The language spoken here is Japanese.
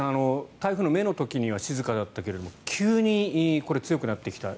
台風の目の時には静かだったけれど急にこれが強くなってきた。